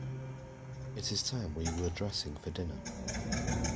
It is time we were dressing for dinner.